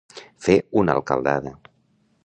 Fer una alcaldada.